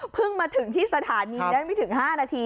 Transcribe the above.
มาถึงที่สถานีได้ไม่ถึง๕นาที